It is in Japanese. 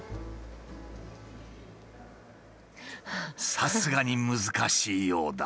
さすがに難しいようだ。